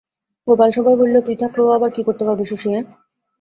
গোপাল সভয়ে বলিল, তুই থাকলে ও আবার কী করতে থাকবে শশী, অ্যাঁ?